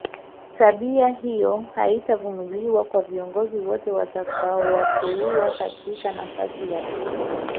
Tabia hiyo hatoivumilia kwa viongozi wote atakaowateua katika nafasi mbali mbali